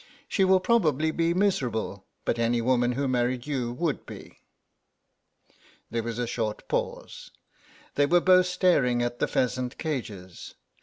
She will probably be miserable, but any woman who married you would be." There was a short pause; they were both staring at the pheasant cages.